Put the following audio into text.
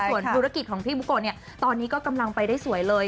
ส่วนธุรกิจของพี่บุโกะเนี่ยตอนนี้ก็กำลังไปได้สวยเลย